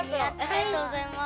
ありがとうございます。